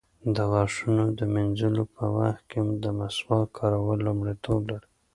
د غاښونو د مینځلو په وخت کې د مسواک کارول لومړیتوب لري.